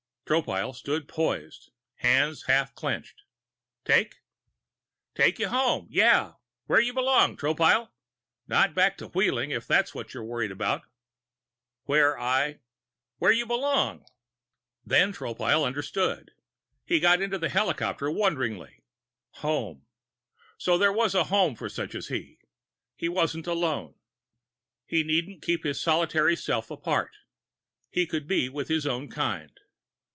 Tropile stood poised, hands half clenched. "Take " "Take you home. Yeah. Where you belong, Tropile. Not back to Wheeling, if that's what is worrying you." "Where I " "Where you belong." Then Tropile understood. He got into the helicopter wonderingly. Home. So there was a home for such as he. He wasn't alone. He needn't keep his solitary self apart. He could be with his own kind.